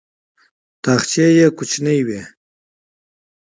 تاخچې یې کوچنۍ وې.